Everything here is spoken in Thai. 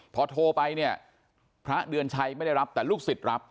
พอโทรไปเนี่ยพระเดือนชัยไม่ได้รับแต่ลูกศิษย์รับ